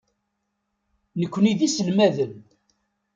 Nekkni d iselmaden.